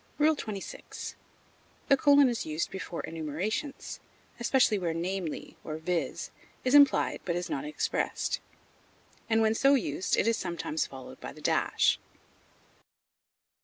XXVI. The colon is used before enumerations, especially where "namely," or "viz.," is implied but is not expressed; and when so used it is sometimes followed by the dash.